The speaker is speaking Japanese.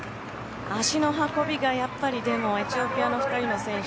足の運びがやっぱりエチオピアの２人の選手